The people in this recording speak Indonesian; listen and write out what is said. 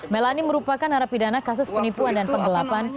melani merupakan narapidana kasus penipuan dan penggelapan